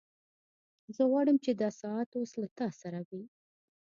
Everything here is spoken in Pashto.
زه غواړم چې دا ساعت اوس له تا سره وي